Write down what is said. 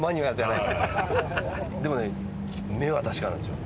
でもね目は確かなんですよ。